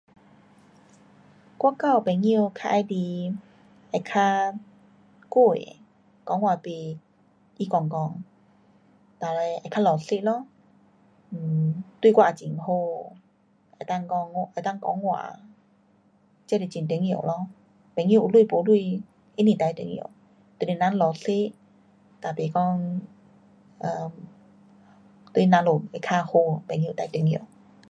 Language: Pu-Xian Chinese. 我交的朋友较喜欢会较乖的，讲话不随讲讲，哒嘞会较老实咯。um 对我也很好，能够讲，能够讲话，这是很重要咯。朋友有钱没钱不是最重要。就是人老实，哒不讲，呃，对我们会较好，朋友最重要。